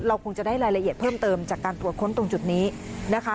คงจะได้รายละเอียดเพิ่มเติมจากการตรวจค้นตรงจุดนี้นะคะ